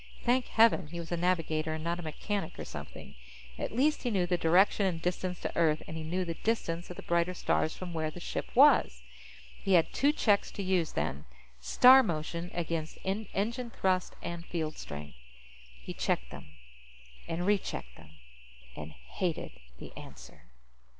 Thank heaven he was a navigator and not a mechanic or something! At least he knew the direction and distance to Earth, and he knew the distance of the brighter stars from where the ship was. He had two checks to use, then. Star motion against engine thrust and field strength. He checked them. And rechecked them. And hated the answer.